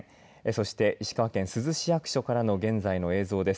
そして石川県珠洲市役所からの現在の映像です。